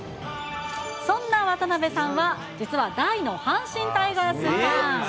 そんな渡辺さんは、実は大の阪神タイガースファン。